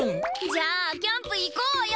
じゃあキャンプいこうよ！